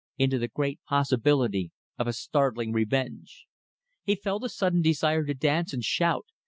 . into the great possibility of a startling revenge. He felt a sudden desire to dance and shout.